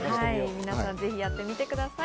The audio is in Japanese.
皆さん、ぜひやってみてください。